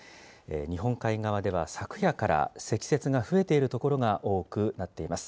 日本海側では、昨夜から積雪が増えている所が多くなっています。